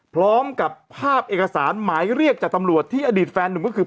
พร้อมกับภาพเอกสารหมายเรียกจากตำรวจที่อดีตแฟนหนุ่มก็คือ